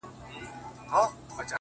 • ته تر کومه انتظار کوې بې بخته,